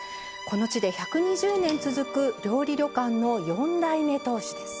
この地で１２０年続く料理旅館の４代目当主です。